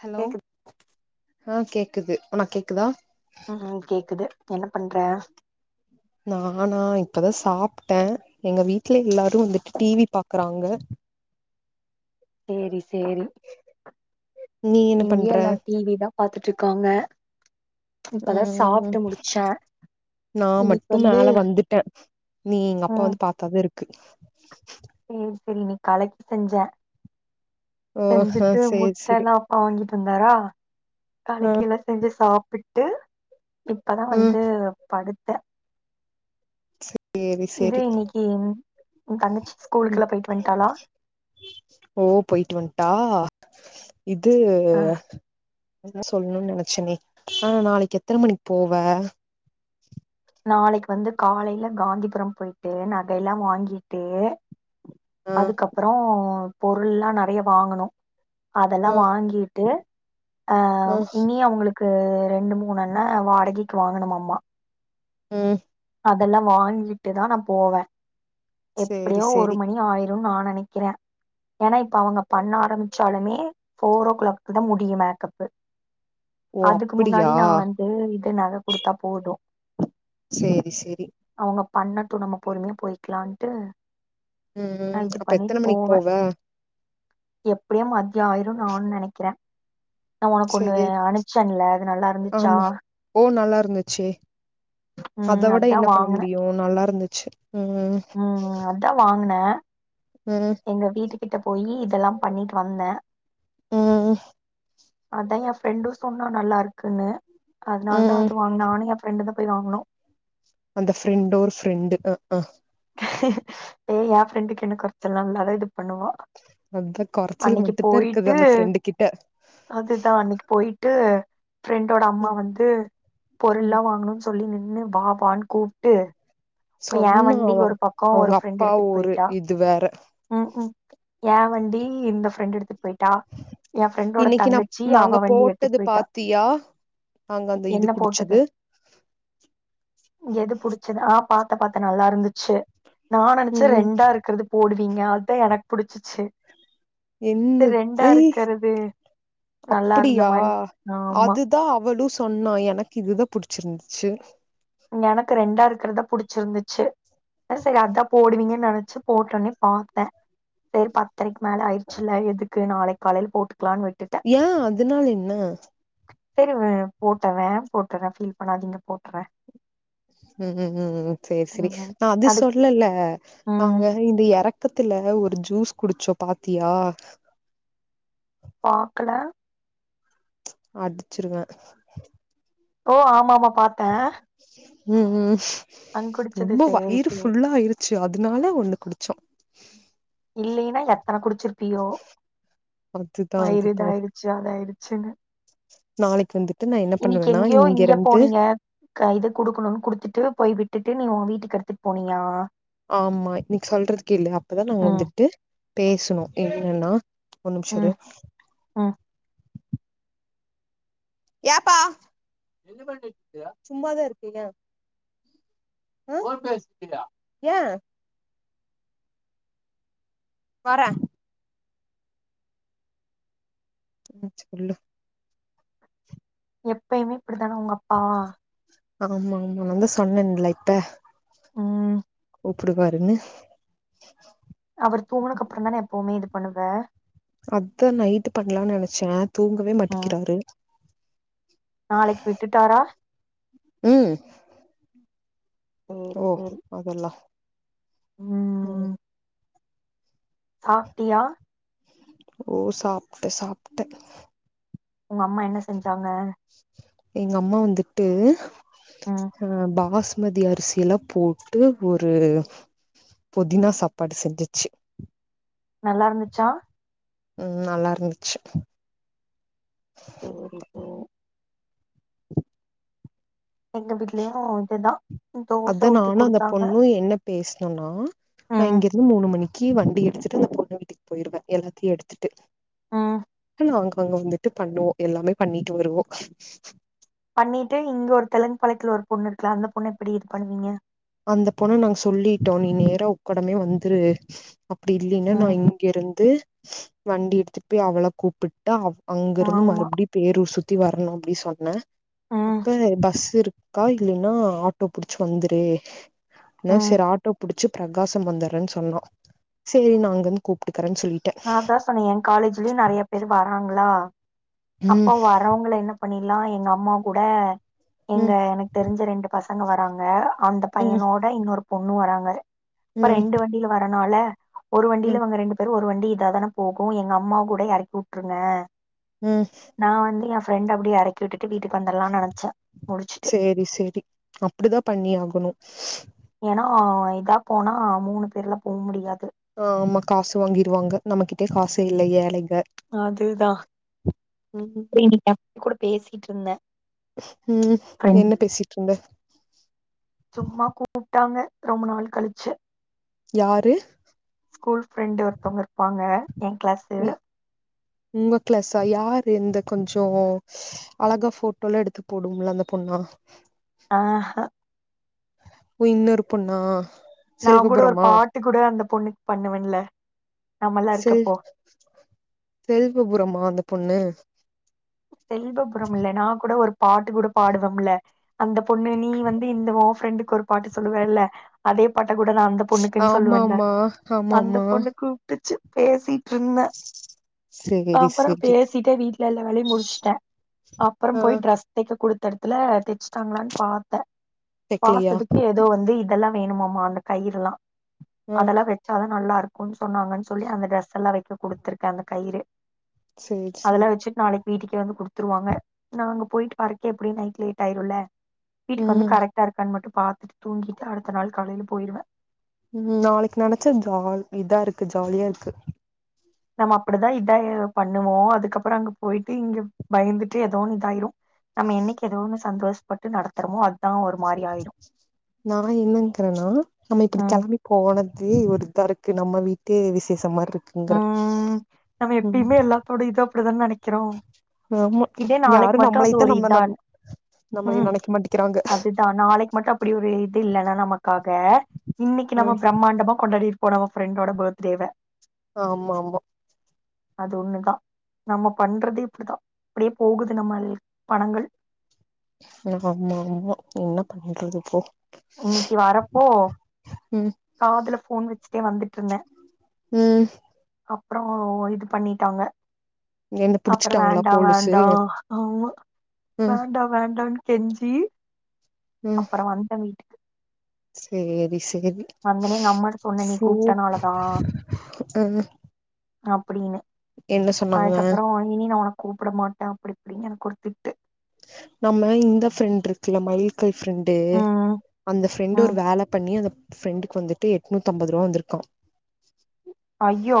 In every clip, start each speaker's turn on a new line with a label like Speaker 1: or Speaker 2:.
Speaker 1: Hello
Speaker 2: கேக்குது
Speaker 1: ஆஹ் கே க்குது உனக்கு கேக்குதா
Speaker 2: ஆ ஆ கேக்குது என்ன பண்ற
Speaker 1: நானா இப்பதா சாப்ட்டே எங்க வீட்ல எல்லாரு வந்துட்டு டிவி பாக்குறாங்க
Speaker 2: சேரி சேரி
Speaker 1: நீ என்ன
Speaker 2: இங்கயு
Speaker 1: பண்ற
Speaker 2: எல்லா டிவிதா பாத்துட்டு இருக்காங்க இப்பதா
Speaker 1: ம்
Speaker 2: சாப்ட்டு முடிச்சே இன்னைக்கி வந்து
Speaker 1: இனி எங்க அப்பா வந்து பாத்தாதா இருக் கு
Speaker 2: ம் செரி இன்னக்கி கலக்கி செஞ்ச
Speaker 1: ஓ ஹ
Speaker 2: செஞ்சுட்டு
Speaker 1: சேரி
Speaker 2: முட்ட
Speaker 1: சேரி
Speaker 2: நா [unintelligible] இருந்தாரா.
Speaker 1: ஆ
Speaker 2: கலகி எல்லா செஞ்சு சாப். விட்டு. இப்பதா
Speaker 1: ம்
Speaker 2: வந்து படு.
Speaker 1: ச்சே.
Speaker 2: இது இன்னிக்கு. உ தங்கச்சி.
Speaker 1: உம்
Speaker 2: ஸ்கூலுக்குல்லா போயிட்டு வந்ட்டாளா
Speaker 1: ஓ போயிட்டு வன்ட்டா. ஆ. இது.
Speaker 2: ஆ
Speaker 1: சொல்லணும்னு நினைச்சனே. அஹ நாளைக்கு எத்தன மணிக்கு போவ.
Speaker 2: நாளைக்கு வந்து காலையில காந்திபுரம் போயிட்டு நகையல்லாம் வாங்கிட்டு.
Speaker 1: ஆ
Speaker 2: அதுக்கப்புறோ. பொருள் எல்லாம் நறைய வாங்கணு.
Speaker 1: ஆ
Speaker 2: அதெல்லாம் வாங்கிட்டு
Speaker 1: ஆ
Speaker 2: அஹ இனி அவங்களுக்கு. கு ரெண்டு மூணு அண்ண வாடகைக்கு வாங்கனும்மாமா.
Speaker 1: உஹம்.
Speaker 2: அதெல்லாம் வாங்கிட்டு தான் நான் போவ.
Speaker 1: சேரி
Speaker 2: எப்படியோ ஒரு
Speaker 1: சேரி
Speaker 2: மணி ஆயி. அப்டினு நா நனைக்கிற. ஏன்னா இப்ப அவங்க பண்ண ஆரம்பிச்சாலுமே ஃபோர் ஓ கிளாக்தா முடியும் மேக்கப்பு.
Speaker 1: ஓ
Speaker 2: அதுக்கு முன்னாடி
Speaker 1: அப்படியா
Speaker 2: நா வந்து இது நக குடுத்தா போது.
Speaker 1: சேரி சேரி.
Speaker 2: பண்ணட்டும் நம்ம பொறுமயா போய். இருக்கலான்ட்டு.
Speaker 1: உம் அப்ப எத்தன மணிக்கு போவ.
Speaker 2: எப்படியே மத்யம் ஆயிரும் நா நனைக்கிற. நா உனக்கு ஒண்ணு
Speaker 1: சேரி
Speaker 2: அனிப்ச்சன்ல அது நல்லா இருந்துச்சா.
Speaker 1: இருந்துச்சு. சோ அத
Speaker 2: ம்
Speaker 1: விட என்ன பண்ண முடியு நல்லா இருந்தது. ச்சேரி.
Speaker 2: உம் அதா வாங்குன.
Speaker 1: ம்
Speaker 2: எங்க வீட்டுக். கிட்ட போய் இதெல்லாம் பண்ணிட்டு வந்த.
Speaker 1: உஹ.
Speaker 2: அதான் என் ப்ரெண்டும் சொன்னா நல்லா இருக்குன்னு அதனால தான்
Speaker 1: ம்
Speaker 2: அது வாங்கின நானும் என் ப்ரண்டு தான் போய் வாங்ணோ
Speaker 1: அந்த ப்ரெண்ட ஒரு ப்ரெண்டு ஹஹ
Speaker 2: ஏன் ப்ரெண்டுக்கு என்ன குறைச்சல் நல்லாவே இது பண்ணுவா
Speaker 1: அந்த கொறச்சல்
Speaker 2: அன்னைக்கு
Speaker 1: மட்டுந்தா இருக்குது
Speaker 2: போயிட்டு
Speaker 1: அந்த ஃப்ரெண்டு கிட்ட
Speaker 2: அதுதான் அன்னைக்கு போயிட்டு ப்ரெண்டோட அம்மா
Speaker 1: ம்
Speaker 2: வந்து
Speaker 1: ம்
Speaker 2: பொருள்ல்லாம் வாங்கணும்னு சொல்லி நின் னு வாவான்னு கூப்டு
Speaker 1: சொன்னா அவன் அவங்க அப்பா
Speaker 2: எடுத்துட்டு
Speaker 1: ஊர் இது வேற
Speaker 2: ஏ வண்டி இந்த ப்ரெண்ட் எடுத்துட் போயிட்டா என் ப்ரெண்டோட
Speaker 1: இன்னைக்கு நா
Speaker 2: தங்கச்சி
Speaker 1: நாங்க
Speaker 2: அவ வண்டி எடுத்துட்டு
Speaker 1: போட்டது
Speaker 2: போயிட்டா
Speaker 1: பாத்தியா நாங்க அந்த இது
Speaker 2: என்ன போட்டது
Speaker 1: குடிச்சது
Speaker 2: எது புடிச்சத ஆஹ் பாத்தபாத்த நல்லா இருந்துச்சு நா
Speaker 1: ம்
Speaker 2: நினைச்சேன்
Speaker 1: ம்
Speaker 2: ரெண்டா இருக்கது போடு நீங்க ஆள்ட எனக்கு புடிச்சிச்சு சரி ரெண்டா
Speaker 1: என்னது
Speaker 2: இருக்கிறது நல்லா இருந்த
Speaker 1: அப்படியா
Speaker 2: மாரி ஆமா
Speaker 1: அதுதான் அவளும் சொ சொன்னா எனக்கு இதுதான் புடிச்சிருந்துச்சு
Speaker 2: எனக்கு ரெண்டா இருக்கிறதா புடிச்சிருந்துச்சு சரி அதான் போடுவீங்கன்னு நினைச்சு போட்டோனே பார்த்தேன் சரிப்பா பத்தரைக்கு மேல ஆயிச்ச இல்ல எது க்கு நாளைக்கு காலையில போட்டு
Speaker 1: ஏன் அதனால என்ன
Speaker 2: சேரி விடு போட்டறே போட்டுறேன் பீல் பண்ணாதீங்க போட்டுறேன்
Speaker 1: உம் உம் சேரி சேரி
Speaker 2: ம்
Speaker 1: நா அது
Speaker 2: அதுக்கு
Speaker 1: சொல்லல
Speaker 2: ம்
Speaker 1: நாங்க இந்த இறக்கத்துல ஒரு ஜூஸ் குடிச்சோ பாத்தியா
Speaker 2: பாக்கல
Speaker 1: அடிச்சிருவே
Speaker 2: ஓ ஆமா ஆமா பாத்த
Speaker 1: உம் உம் ரொம்ப வயிறு
Speaker 2: சேரி
Speaker 1: புல்லா ஆயிடுச்சு அதனால ஒண்ணு குடிச் சொ
Speaker 2: இல்லலைன்னா எத்தன குடிச்சிருக் ப்பியோ
Speaker 1: அதுதா
Speaker 2: வயிறு
Speaker 1: அதுதா
Speaker 2: இதாயிச்சு அதாயச்சுன்னு
Speaker 1: நாளைக்கு வந்து
Speaker 2: இன்னைக்கு எங்கேயோ இங்க போனீங்க க இத குடுக்கணும்னு குடுத்துட்டு போய் விட்டு டு நீ வீட்டுக்கு எடுத்துட்டு போனீயா
Speaker 1: ஆமா இன்னைக்கு சொல்றதுக்கு இல்ல அப்பதான் நாங்க
Speaker 2: ம்
Speaker 1: வந்துட்டு பேசணும் என்னன்னா ஒர் நிமிஷம்
Speaker 2: ம்
Speaker 1: இரு
Speaker 2: ம்
Speaker 1: ஏன்ப்பா என்ன பன்னிட்டு இருக்ர சும்மாதான் இருக்கேன் ஏன் ஆஹ் போன் பேசிட்டிருக்கிய ஏன் வரேன் ஆ சொல்லு
Speaker 2: எப்பயுமே அப்படித்தாங்க உங்க அப்பா
Speaker 1: ஆமா ஆமா ந வந்து சொன்னேன்ல இப்ப
Speaker 2: ம்
Speaker 1: கூப்புடுவாருன்னு
Speaker 2: அவர் தூங்குனக்கு அப்புறம் தானே எப்பவுமே இது பண்ணுவே
Speaker 1: அதான் நைட்டு பண்ணலாம்னு நினைச்சேன் தூங்கவே
Speaker 2: ம்
Speaker 1: மாட்டிக்கிறாரு
Speaker 2: நாளைக்கு விட்டுட்டாரா
Speaker 1: உம்
Speaker 2: சரி
Speaker 1: ஓ
Speaker 2: சரி
Speaker 1: அதெல்லாம்
Speaker 2: ம்
Speaker 1: உம்
Speaker 2: சாப்பிட்டியா
Speaker 1: ஓ சாப்பிட்டேன் சாப்பிட்டேன்
Speaker 2: உங்க அம்மா என்ன செஞ்சாங்க
Speaker 1: எங்க அம்மா வந்துட்டு
Speaker 2: ம்
Speaker 1: ஆஹ் பாஸ் மதி அரிசி எல்லாம் போட்டு ஒரு புதினா சாப்பாடு செஞ்சுச்சு
Speaker 2: நல்லா இருந்துச்சா
Speaker 1: உம் நல்லா இருந்துச்சு
Speaker 2: [unintelligible]
Speaker 1: [inaudible]
Speaker 2: எங்க வீட்லயும் இதுதான் தோசை
Speaker 1: அத
Speaker 2: ஊத்தி
Speaker 1: நானும் அந்த
Speaker 2: கொடுத்தாங்க
Speaker 1: பொண்ணு என்ன பேசணுனா நான்
Speaker 2: ம்
Speaker 1: இங்கிருந்து மூணு மணிக்கு வந்து எடுத்துட்டு அந்த பொண்ணு வீட்டுக்கு போயிருடுவேன் எல்லாத்தையும் எடுத்துட்டு
Speaker 2: ம்
Speaker 1: ஆனா அங்க அங்க வந்துட்டு பண்ணுவோம் எல்லாமே பண்ணிட்டு வருவோம்
Speaker 2: பண்ணிட்டு இங்க ஒரு தெலுங்கு பாளையத்துல ஒரு பொண்ணு இருக்குலா அந்த பொண்ண எப்படி இது பண்ணுவீங்க
Speaker 1: அந்த பொண்ண நாங்க சொல்லிட்டோம் நீ நேர உக்டமே வந்துரு அப்புடி இல்லின்னா நா
Speaker 2: ம்
Speaker 1: இங்கிருந்து வண்டி எடுதுட்டு போயி அவள கூப்பிட்டா அ அங்க இருந்து
Speaker 2: ஆமா
Speaker 1: மறுபடியும் பேரூர் சுத்தி வரணும் அப்டி சொன்ன
Speaker 2: ம்
Speaker 1: அப்ப பஸ் இருக்கா இல்லைன்னா ஆட்டோ புடிச்சி வந்துரு
Speaker 2: ம்
Speaker 1: செரி ஆட்டோ புடிச்சி பிரகாசம் வந்துறேன்னு சொன்னா செரி நா அங்கு இந்த கூப்பிட்டு
Speaker 2: நா தா சொன்னே எ காலேஜ்லயு நெறைய பேர் வர்ராங்களா அப்போ
Speaker 1: ம்
Speaker 2: வரவங்கள என்ன பண்ணிடலாம் எங்க அம்மா கூட எங்க
Speaker 1: ம்
Speaker 2: எனக்கு தெரிஞ்ச ரெண்டு பச பசங்க வராங்க அந்த
Speaker 1: ம்
Speaker 2: பையனோட இன்னொரு பொண்ணு வராங்க அப்ப
Speaker 1: ம்
Speaker 2: ரெண்டு வண்டியில வர அதனால ஒரு
Speaker 1: ம்
Speaker 2: வண்டியிலவங்க ரெண்டு பேர் ஒரு வண்டி இத தானே போகும் எங்க அம்மா கூட எறக்கி உட்டுருங்க
Speaker 1: ம்
Speaker 2: நா வந்து எ ஃபிரெண்ட அப்டியே எறக்கி விட்
Speaker 1: செரி செரி அப்டி தா பண்ணி ஆகணும்
Speaker 2: ஏனா இதா போனா மூணு பேருல போ முடியா
Speaker 1: தெரில [unintelligible]
Speaker 2: அது தா [unintelligible] இருந்த
Speaker 1: ம்ம் என்ன பேசிட்டு இருந்த
Speaker 2: சும்மா கூப்பிட்டாங்க ரொம்ப நாள் கழிச்சி
Speaker 1: யாரு
Speaker 2: ஸ்கூல் ஃப்ரெண்டு ஒருத்தவங்க இருப்பாங்க ஏன் கிளாசு
Speaker 1: நீ உங்க க்ளாசா யாரு இந்த கொஞ்சே அழகா போட்டோல எடுத்து போடும்ல அந்த பொண்ணா
Speaker 2: ஆஹ
Speaker 1: ஓ இன்னொரு பொண்ணா
Speaker 2: நா கூட ஒரு
Speaker 1: செல்வபுரமா
Speaker 2: பாட்டு கூட அந்த பொண்ணுக்கு பண்ணுவன்ல நம்மல்லா
Speaker 1: செல்
Speaker 2: இருக்கப்போ
Speaker 1: செல்வபுரமா அந்த பொண்ணு
Speaker 2: செல்வபுரம் இல்ல நான் கூட ஒரு பாட்டு கூட பாடுவோம்ல அந்த பொண்ணு நீ வந்து இந்த ஒ ஃப்ரெண்டுக்கு ஒரு பாட்டு சொல்லுவேல்ல அதே பாட்டு கூட நான் அந்த பொண்ணுக்குன்னு சொல்லுவேன்ல
Speaker 1: ஆமாமா
Speaker 2: அந்த
Speaker 1: ஆமாமா
Speaker 2: பொண்ணு கூப்பிட்டுச்சு பேசி ருந்த
Speaker 1: சேரி
Speaker 2: அப்புறம்
Speaker 1: சேரி
Speaker 2: பேசிட்டே வீட் யல்ல வேலையும் முடிச்சு ட அப்புறம்
Speaker 1: ஆ
Speaker 2: போய் ட்ரஸ் தேக்க கொடு இடத்துல தச்சுட்டாங்களனு பார்த்தேன்
Speaker 1: தெக்கலையா
Speaker 2: பார்த்ததுக்கு ஏதோ வந்து இதெல்லா வேணுமாம அந்த கயிற எல்லா
Speaker 1: ஆ
Speaker 2: அதெல்லாம் வச்சாதான் நல்லா இருக் இருக்கணு சொன்னாங்கன்னு சொல்லி அந்த டிரரெஸ் எல்லா வைக்க கொடுத்துருக்க அந்த கயிறு
Speaker 1: சேரி சேரி
Speaker 2: கே வந்து குடுத்துருவாங்க நா அங்க போயிட்டு வறக்கன் எப்படியே நைட் லேட் ஆயிரும்ல வீட்டுக்கு வந்து
Speaker 1: ம்
Speaker 2: கரெக்டா இருக்கான்னு மட்டும் பாத்துட்டு தூங்கிட்டு அடுத்த நாள் கலையில போயிருவேன்
Speaker 1: உம் நாளைக்கு நினைச்ச ஜா இதா இருக்கு ஜாலியா இருக்கு
Speaker 2: நம்ம அப்படிதான் இதா பண்ணுவோ அதுக்கப்புறம் அங்க போயிட்டு இங்க பயந்துட்டு ஏதோன்னு இதாயிரும் நம்ம என்னைக்கு ஏதோ ஒன்னு சந்தோஷ பட்டு நடத்துறமோ அதுதான் ஒரு மாரி ஆயிரு
Speaker 1: நா என்னகிறேன்னா நம்ம இப்படி
Speaker 2: ம்
Speaker 1: கிளம்பி போனது இது ஒருதர்க்கு நம்ம வீட்டு விசேஷமா இருக்
Speaker 2: உம் நம்ம எப்பயுமே எல்லாத்தோட இது அப்படிதான நினைக் வக்கோம்
Speaker 1: ஆமா
Speaker 2: இதே நாளைக்கு
Speaker 1: யாரு
Speaker 2: மட்டும் அது
Speaker 1: நம்மளைத்தா
Speaker 2: ஒரு
Speaker 1: நம்ம
Speaker 2: இதா
Speaker 1: நம் நம்மளைய
Speaker 2: உம்
Speaker 1: நெனைக்க மாட்டிக்கிறாங்க
Speaker 2: அதுதான் நாளைக்கு மட்டும் அப்படி ஒரு இ இல்ன்னா நமக்க க இன்னைக்கு நம்ம
Speaker 1: ம்
Speaker 2: பிரம்மாண்டமா கொண்டாடி இருக் போனவ ஃரெண்டோட பர்த்டேவ
Speaker 1: ஆமா ஆமா
Speaker 2: அது ஒண்ணுதான் நம்ம பண்றது இப்படிதா அப்படியே போகுது நம்ம பணங்கள்
Speaker 1: ஆமா ஆமா என்ன பண்றது இப்போ
Speaker 2: இன்னைக்கு வரப்போ
Speaker 1: ம்
Speaker 2: காதல போன் வச் வச்சுட்டே வந்துட்டு இருந்தேன்
Speaker 1: உம்
Speaker 2: அப்புறம் இது பண்ணிட்டாங்க
Speaker 1: என்ன
Speaker 2: அப்புறம்
Speaker 1: புடிச்சுட்டாங்களா
Speaker 2: வேண்டா
Speaker 1: போலீஸு
Speaker 2: வேண்டா ஆமா
Speaker 1: ம்
Speaker 2: வேண்டாம் வேண்டானு கெஞ்சி அப்புறம் வந்தன் வீட்டுக்கு
Speaker 1: செரி சேரி
Speaker 2: வந்தோனே எங்க அம்மாட்ட சொன்னே நீ
Speaker 1: ஃபோ
Speaker 2: கூப்ட்டனாலதா
Speaker 1: ஆ
Speaker 2: அப்புடின்னு
Speaker 1: என்ன சொன்னாங்க
Speaker 2: அதுக்கப்ற இனி நா ஒனக் கூப்புட மாட்டே அப்டி இப்டின் எனக்கொரு திட்டு
Speaker 1: நம்ம இந்த ஃப்ரெண்ட் இருக்குல மைக்கல் ஃப்ரெண்டு
Speaker 2: ம்
Speaker 1: அந்த ஃப்ரெண்டு் ஒரு
Speaker 2: ம்
Speaker 1: வேல பண்ணி அந்த ஃப்ரெண்டுக்கு வந்துட்டு எட்நூத்தம்பது ருவா வந்துருக்கா
Speaker 2: அய்யோ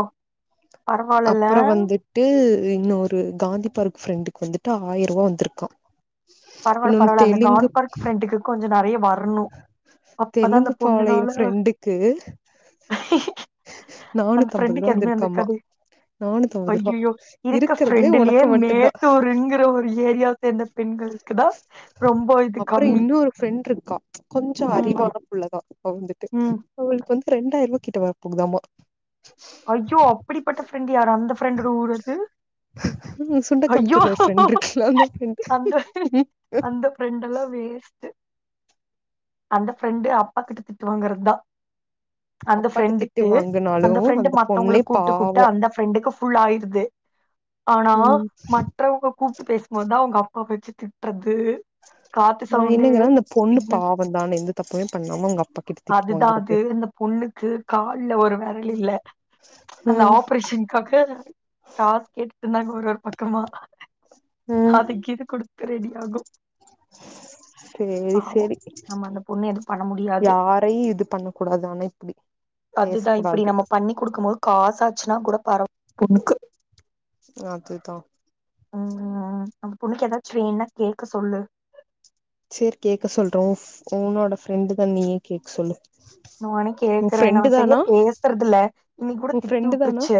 Speaker 1: அப்புற வந்துட்டு இன்னொரு காந்தி பார்க் ஃப்ரெண்டுக்கு வந்துட்டு ஆயருவா வந்துருக்கா
Speaker 2: பரவால்ல பரவால்ல அந்த காந்தி பார்க் ஃப்ரெண்டுக்கு கொஞ்ச நெறைய வரணு அப்பதா அந்த
Speaker 1: தெலுங்கு பாளைய
Speaker 2: பொண்ணுனால
Speaker 1: ஃப்ரெண்டுக்கு
Speaker 2: அந்த
Speaker 1: நானூத்தம்பது
Speaker 2: ஃப்ரெண்டுக்கு
Speaker 1: ரூவா
Speaker 2: எதுவுமே
Speaker 1: வந்திருக்காமா
Speaker 2: வந்திருக்காது
Speaker 1: நானூத்தம்பது ரூவா
Speaker 2: அய்யய்யோ இருக்க
Speaker 1: இருக்கறதுலயே
Speaker 2: ஃப்ரெண்டுலெயே
Speaker 1: உனக்கு மட்டுந்தா
Speaker 2: மேட்டூருங்கிற ஒரு ஏரியா சேந்த பெண்கள் க்குதா ரொம்ப இது கம்மி
Speaker 1: கா கொஞ்ச
Speaker 2: ம்
Speaker 1: அறிவான புள்ளதா வந்துட்டு
Speaker 2: ம்
Speaker 1: அவளுக்கு வந்து ரெண்டாயருவா கிட்ட வரபோகுதாமா
Speaker 2: ஐயோ அப்படிப்பட்ட ஃப்ரெண்ட் யார் அந்த ஃப்ரெண்டொட ஊர் எது ஐயோ
Speaker 1: சுண்டக்காம்புத்தூர்ல ஒரு ஃப்ரெண்ட் இருக்குல்ல அந்த ஃப்ரெண்ட்
Speaker 2: அந்த அந்த ஃப்ரெண்ட் எல்லா வேஸ்ட்டு அந்த ஃப்ரெண்டு அப்பா கிட்ட திட்டு வாங்குறது தா அந்த
Speaker 1: அப்பாட்ட திட்டு
Speaker 2: ஃப்ரெண்டுக்கு அந்த
Speaker 1: வாங்கினாலும்
Speaker 2: ஃப்ரெண்டு மத்தவங்கள
Speaker 1: பொண்ணே
Speaker 2: கூட்டு கூப்ட்டு
Speaker 1: பாவம்
Speaker 2: அந்த ஃப்ரெண்டுக்கு ஃபுல் ஆயிருது ஆனா
Speaker 1: ம்
Speaker 2: மற்றவங்க கூப் டு பேசும்போதுதா அவுங்க அப்பா பேச்சு திட்றது து காத்து
Speaker 1: நான்
Speaker 2: சவுண்டு
Speaker 1: என்னங்கிறேன் அந்த பொண்ணு
Speaker 2: சிக்னல்
Speaker 1: பாவம் தானே எந்த தப்புமே பண்ணாம அவங்க அப்பா கிட்ட திட்டு
Speaker 2: அதுதா
Speaker 1: வாங்குறது
Speaker 2: அது இந்த பொண்ணுக்கு கால்ல ஒரு வெரல் இல்ல அந்த
Speaker 1: ம்
Speaker 2: ஆபரேஷன்காக காஸ் கேட்டு இந்தாங்க ஒரு ஒரு பக்கமா அது
Speaker 1: ம்
Speaker 2: கீது குடுத் து ரெடி ஆகும்
Speaker 1: சேரி
Speaker 2: பாவொ
Speaker 1: சேரி
Speaker 2: நம்ம அந்த பொண்ண எதும் பண்ண முடியாது
Speaker 1: யாரையு இது பண்ண கூடாது ஆனா இப்டி
Speaker 2: அதுதா
Speaker 1: பேசக்
Speaker 2: இப்பிடி
Speaker 1: கூடாது
Speaker 2: நம்ம பண்ணி் குடுக்கும்போது காசா ச்சுனா கூட பரவு புண்ணுக்கு
Speaker 1: அதுதா
Speaker 2: உம் அந்த பொண்ணுக்கு எதாச்சு வேன்னா கேக்க சொல்லு
Speaker 1: சேரி கேக்க சொல்றோ உன்னோட ஃப்ரெண்டு தான் நீயே கேக்க சொல்லு
Speaker 2: நானே
Speaker 1: உ
Speaker 2: கேக்குற நா
Speaker 1: ஃப்ரெண்டு
Speaker 2: சரியா
Speaker 1: தானா
Speaker 2: பேசுறதுல. இன்னிக் கூட
Speaker 1: உ ஃப்ரெண்டு தானா
Speaker 2: திட்டிடுருச்சு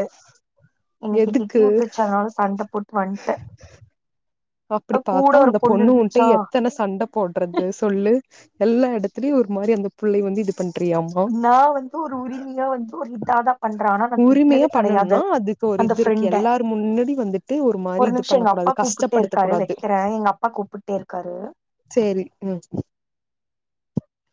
Speaker 2: இன்னிக்கு
Speaker 1: எதுக்கு
Speaker 2: திட்டிடுருச்சு அதனால சண்ட போட்டு வன்ட்ட.
Speaker 1: அப்படி பாத்தா அந்த பொண்ணு உண்ட எத்தன சண்ட போடுறது சொல்லு எல்லா இடத்துலயும் ஒரு மாதிரி அந்த பொ. புள்ளைய வந்து இது. பண்றியாமா
Speaker 2: நா வந்து ஒரு உரிமையா வந்து ஒரு இதாதா பண்ற.
Speaker 1: உரிமையா பண்ணணும்னா அதுக்கு ஒரு
Speaker 2: அந்த
Speaker 1: இது இருக்கு
Speaker 2: ஃப்ரெண்ட
Speaker 1: எல்லாரும் முன்னாடி வந்துட்டு ஒரு மாதிரி இது
Speaker 2: நிமிஷோ
Speaker 1: பண்ண
Speaker 2: எங்க அப்பா
Speaker 1: கூடாது
Speaker 2: கூப்புட்டே
Speaker 1: கஷ்டப்படுத்த
Speaker 2: இருக்காரு
Speaker 1: கூடாது.
Speaker 2: வெக்கிறே எங்க அப்பா கூப்புட்டே இருக்காரு
Speaker 1: சேரி உம்.